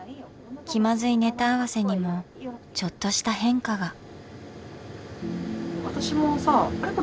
気まずいネタ合わせにもちょっとした変化が。